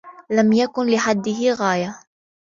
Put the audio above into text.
لَمْ يَكُنْ لِحَدِّهِ غَايَةٌ